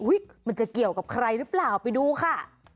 มันจะเกี่ยวกับใครหรือเปล่าไปดูค่ะ